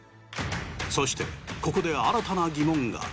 そしてここで新たな疑問が。